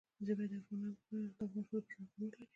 ژبې د افغان ښځو په ژوند کې رول لري.